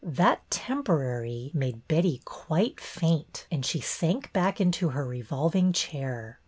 That temporary " made Betty quite faint, and she sank back into her revolving chair.